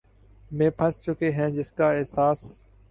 میں پھنس چکے ہیں جس کا احساس